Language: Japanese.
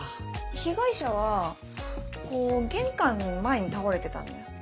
被害者はこう玄関の前に倒れてたんだよ。